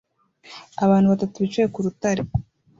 Abantu batatu bicaye ku rutare